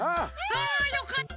あよかった！